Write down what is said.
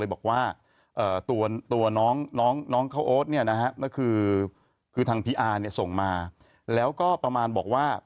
ใบแดดแสในนั้นที่ส่งมา